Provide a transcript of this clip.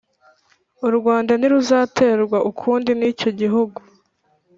urwanda ntiruzaterwa ukundi nicyo gihugu"